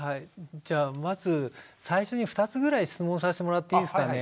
じゃあまず最初に２つぐらい質問させてもらっていいですかね。